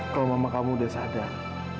kalau mama kamu udah sadar